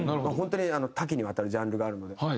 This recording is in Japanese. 本当に多岐にわたるジャンルがあるので。